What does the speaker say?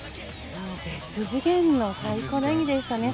別次元の最高の演技でした。